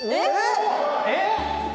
えっ！？